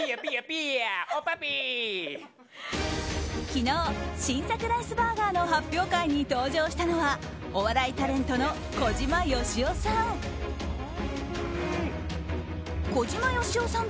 昨日、新作ライスバーガーの発表会に登場したのはお笑いタレントの小島よしおさん。